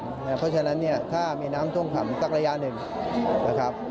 เพราะฉะนั้นเนี่ยถ้ามีน้ำท่วมขังสักระยะหนึ่งนะครับ